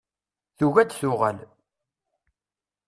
Tugi ad d-tuɣal.